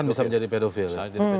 kan bisa menjadi pedofil ya